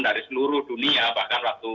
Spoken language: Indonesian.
dari seluruh dunia bahkan waktu